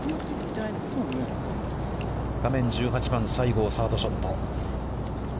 画面１８番、西郷、サードショット。